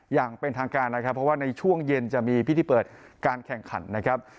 อย่างเป็นทางการนะครับเพราะว่าในช่วงเย็นจะมีพิธีเปิดการแข่งขันนะครับ